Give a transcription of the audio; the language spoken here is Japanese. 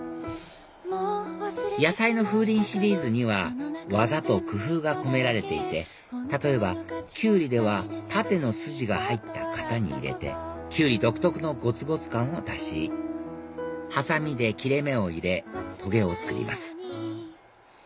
野菜の風鈴シリーズには技と工夫が込められていて例えばキュウリでは縦の筋が入った型に入れてキュウリ独特のゴツゴツ感を出しハサミで切れ目を入れとげを作ります